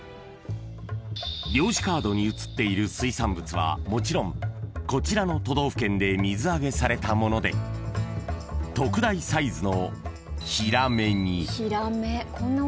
［漁師カードに写っている水産物はもちろんこちらの都道府県で水揚げされたもので特大サイズの］